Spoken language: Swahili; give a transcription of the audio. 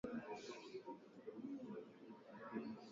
Basi laza imani, rejea vitani